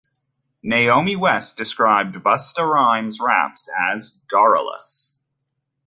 Naomi West described Busta Rhymes rap as "garrulous".